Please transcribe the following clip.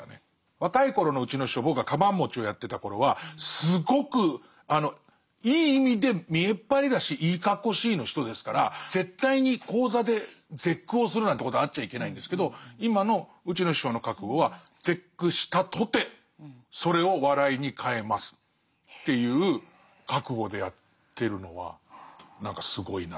若い頃のうちの師匠僕がかばん持ちをやってた頃はすごくいい意味で見えっ張りだしいいかっこしいの人ですから絶対に高座で絶句をするなんてことがあっちゃいけないんですけど今のうちの師匠の覚悟は絶句したとてそれを笑いに変えますっていう覚悟でやってるのは何かすごいな。